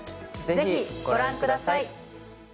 ぜひ、ご覧ください。